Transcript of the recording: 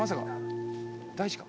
大地か？